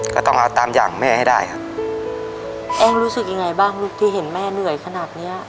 ก็ต้องเอาตามอย่างแม่ให้ได้ครับอ้อมรู้สึกยังไงบ้างลูกที่เห็นแม่เหนื่อยขนาดเนี้ย